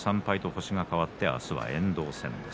星が変わって明日は遠藤戦です。